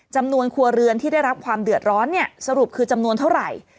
จำนวนครัวเรือนที่ได้รับความเดือดร้อนเนี่ยสรุปคือจำนวนเท่าไหร่